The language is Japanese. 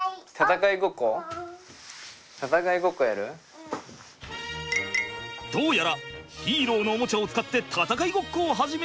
どうやらヒーローのおもちゃを使って戦いごっこを始めるようですが。